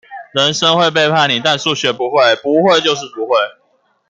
人生會背叛你，但數學不會，不會就是不會